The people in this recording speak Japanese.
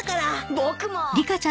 僕も。